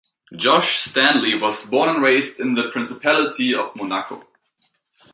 Josh Stanley was born and raised in the Principality of Monaco.